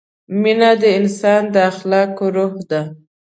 مینه د انسان د اخلاقو روح ده.